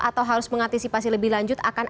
atau harus mengantisipasi lebih lanjut